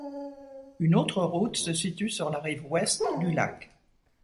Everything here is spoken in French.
Une autre route se situe sur la rive Ouest du lac.